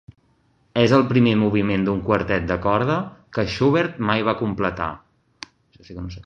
És el primer moviment d'un quartet de corda que Schubert mai va completar.